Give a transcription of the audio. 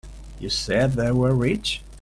You said they were rich?